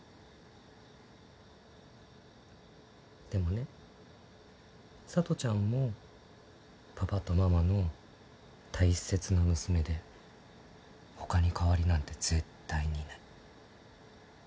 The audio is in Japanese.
でもねさとちゃんもパパとママの大切な娘で他に代わりなんて絶対にいない。